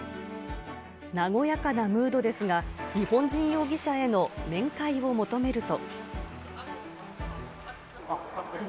和やかなムードですが、日本人容疑者への面会を求めると。